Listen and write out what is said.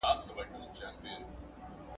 ده د خلکو پوهاوی بنسټ باله.